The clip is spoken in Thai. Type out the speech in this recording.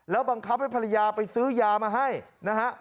บังคับให้ภรรยาไปซื้อยามาให้นะฮะ